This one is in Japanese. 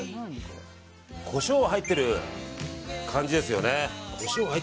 コショウが入っている感じですよね。